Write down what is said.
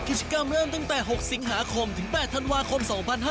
กิจกรรมเริ่มตั้งแต่๖สิงหาคมถึง๘ธันวาคม๒๕๕๙